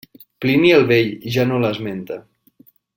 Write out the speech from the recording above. Plini el Vell ja no l'esmenta.